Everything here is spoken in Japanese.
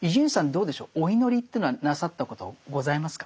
どうでしょうお祈りというのはなさったことございますか？